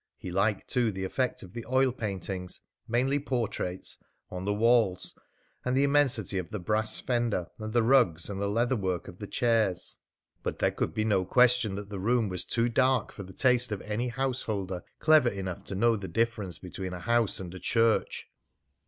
He liked too the effect of the oil paintings mainly portraits on the walls, and the immensity of the brass fender, and the rugs, and the leatherwork of the chairs. But there could be no question that the room was too dark for the taste of any householder clever enough to know the difference between a house and a church.